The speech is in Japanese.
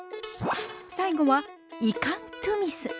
最後はイカン・トゥミス。